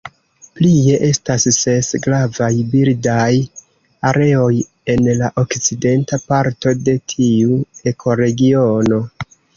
Plie, estas ses Gravaj birdaj areoj en la okcidenta parto de tiu ekoregiono.